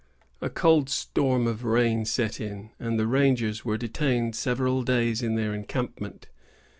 A cold storm of rain set in, and the rangers were detained several days in their encampment.